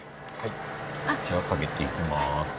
じゃあかけていきます。